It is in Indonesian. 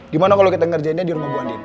gimana kalau kita ngerjainnya di rumah bu andin